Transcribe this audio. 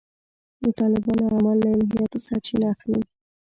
د طالبانو اعمال له الهیاتو سرچینه اخلي.